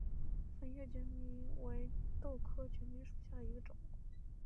粉叶决明为豆科决明属下的一个种。